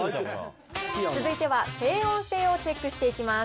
続いては静音性をチェックしていきます。